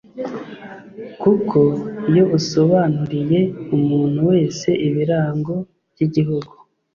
kuko iyo usobanuriye umuntu wese ibirango by’igihugu